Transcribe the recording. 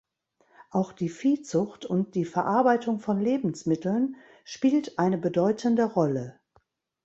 Auch die Viehzucht und die Verarbeitung von Lebensmitteln spielt eine bedeutende Rolle.